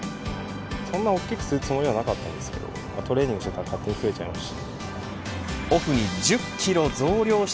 そんな大きくするつもりはなかったけどトレーニングしてたら勝手に増えちゃいました。